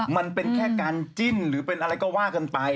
มันเป็นแค่การจิ้นหรือเป็นอะไรก็ว่ากันไป